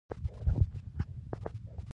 ژوندي تېروتنه اصلاح کوي